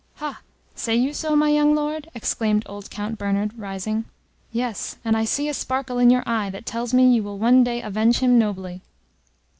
"Ha! say you so, my young Lord?" exclaimed old Count Bernard, rising. "Yes, and I see a sparkle in your eye that tells me you will one day avenge him nobly!"